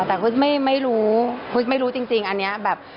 แต่กูจะไม่รู้กูจะไม่รู้จริงอันนี้แบบ